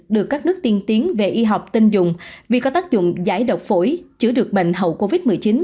được các nước tiên tiến về y học tin dùng vì có tác dụng giải độc phổi chữa được bệnh hậu covid một mươi chín